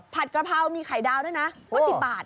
กระเพรามีไข่ดาวด้วยนะก็๑๐บาท